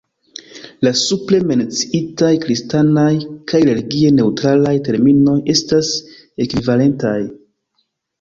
La supre menciitaj kristanaj kaj religie neŭtralaj terminoj estas ekvivalentaj.